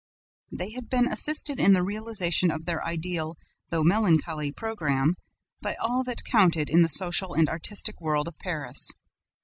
They had been assisted in the realization of their ideal, though melancholy, program by all that counted in the social and artistic world of Paris.